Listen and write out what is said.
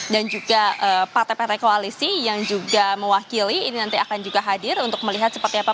dan juga partai partai koalisi yang juga mewakili ini nanti akan juga hadir untuk melihat seperti apa